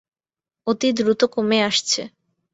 অতি দ্রুত কমে আসছে।